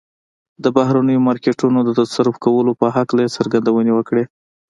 د بهرنيو مارکيټونو د تصرف کولو په هکله يې څرګندونې وکړې.